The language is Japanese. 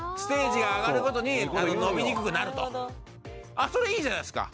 あっそれいいじゃないですか。